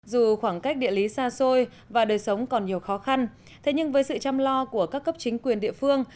dù khoảng cách địa lý xa xôi và đời sống còn nhiều khó khăn thế nhưng với sự chăm lo của các cấp chính quyền địa phương